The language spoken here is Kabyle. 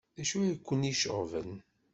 D acu ay ken-iceɣben?